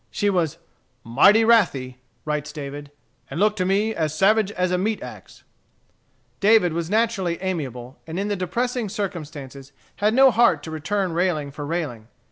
She was "mighty wrathy," writes David, "and looked at me as savage as a meat axe." David was naturally amiable, and in the depressing circumstances had no heart to return railing for railing.